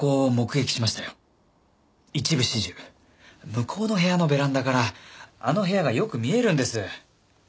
向こうの部屋のベランダからあの部屋がよく見えるんです。